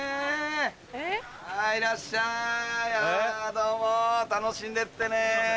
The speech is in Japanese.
どうも楽しんでってね。